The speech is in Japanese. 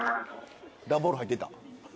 段ボール入ってった。